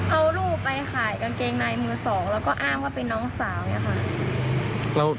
เอาลูกไปขายกางเกงในมือสองแล้วก็อ้างว่าเป็นน้องสาวเนี่ยค่ะ